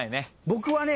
僕はね